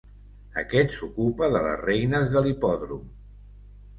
Aquest s'ocupa de les reines de l'hipòdrom.